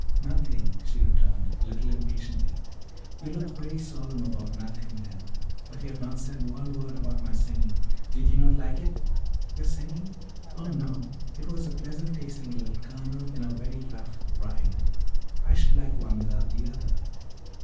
"Nothing," she returned, a little impatiently. "You look very solemn about nothing, then. But you have not said one word about my singing did you not like it?" "Your singing? Oh no! It was a pleasant tasting little kernel in a very rough rind I should like one without the other."